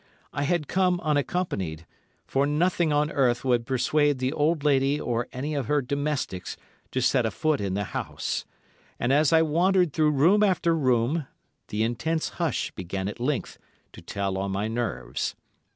I had come unaccompanied, for nothing on earth would persuade the old lady or any of her domestics to set a foot in the house, and as I wandered through room after room, the intense hush began at length to tell on my nerves.